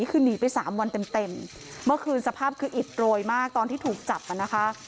คือหนีไปสามวันเต็มเต็มเมื่อคืนสภาพคืออิดโรยมากตอนที่ถูกจับอ่ะนะคะ